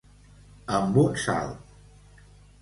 Amb un salt.